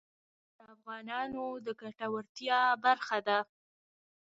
هوا د افغانانو د ګټورتیا برخه ده.